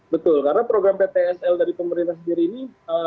betul karena program ptsl dari pemerintah sendiri ini